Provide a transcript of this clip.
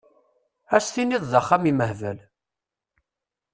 Ad s-tiniḍ d axxam imehbal!